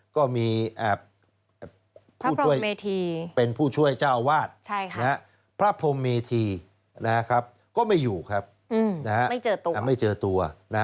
ก็มีพระพรหมสิทธิเป็นผู้ช่วยเจ้าอาวาสพระพรหมสิทธินะครับก็ไม่อยู่ครับไม่เจอตัว